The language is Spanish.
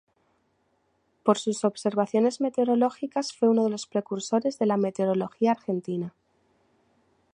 Por sus observaciones meteorológicas fue uno de los precursores de la Meteorología argentina.